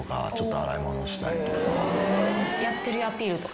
やってるよアピールとか。